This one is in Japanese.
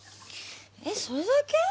えっそれだけ？